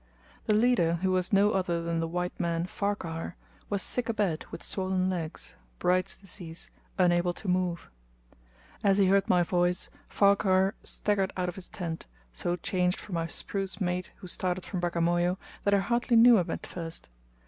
The leader, who was no other than the white man Farquhar, was sick a bed with swollen legs (Bright's disease), unable to move. As he heard my voice, Farquhar staggered out of his tent, so changed from my spruce mate who started from Bagamoyo, that I hardly knew him at first.